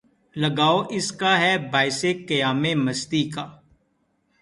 لگاؤ اس کا ہے باعث قیامِ مستی کا